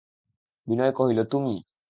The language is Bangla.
বিনয় কহিল, তুমি।